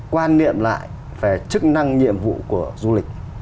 quan niệm lại về chức năng nhiệm vụ của du lịch